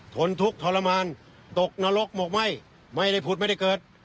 นทุกข์ทรมานตกนรกบอกไม่ไม่ได้ผุดไม่ได้เกิด